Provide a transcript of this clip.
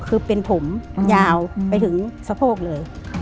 คือเป็นผมยาวไปถึงสะโพกเลย